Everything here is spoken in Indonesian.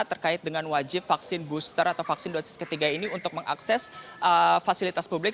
terkait dengan wajib vaksin booster atau vaksin dosis ketiga ini untuk mengakses fasilitas publik